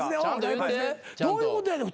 どういうことやねん？